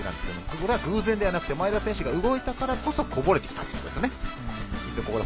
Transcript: これは偶然ではなく前田選手が動いたからこそこぼれてきたんですね。